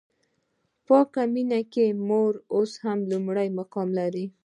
په پاکه مینه کې مور اوس هم لومړی مقام لري.